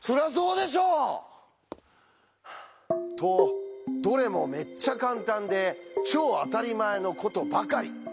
そりゃあそうでしょ！とどれもめっちゃカンタンで超あたりまえのことばかり。